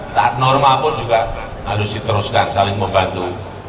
saat normal pun juga harus diteruskan saling membantu